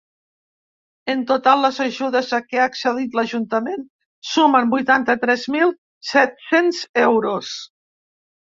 En total, les ajudes a què ha accedit l’ajuntament sumen vuitanta-tres mil set-cents euros.